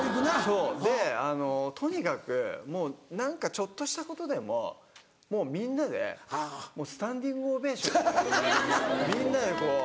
そうであのとにかくもう何かちょっとしたことでももうみんなでスタンディングオベーションでみんなでこう褒めようみたいな。